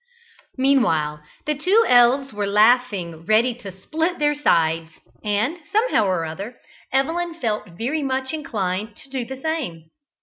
Meanwhile the two elves were laughing ready to split their sides, and, somehow or other, Evelyn felt very much inclined to do the same.